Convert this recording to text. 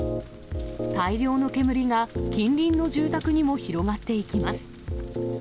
大量の煙が近隣の住宅にも広がっていきます。